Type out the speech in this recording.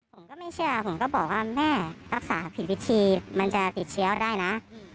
ผมก็ไม่เชื่อผมก็บอกว่าแม่รักษาผิดวิธีมันจะติดเชื้อได้นะ